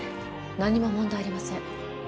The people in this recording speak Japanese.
何も問題ありません